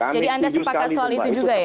jadi anda sepakat soal itu juga ya